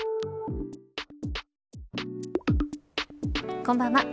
こんばんは。